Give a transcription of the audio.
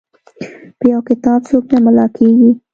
په یو کتاب څوک نه ملا کیږي.